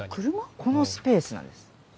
このスペースなんです。